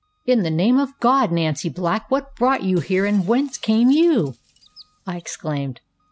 ŌĆ£In the name of God, Nancy Black, what brought you here, and whence came you? ŌĆØ I exclaimed.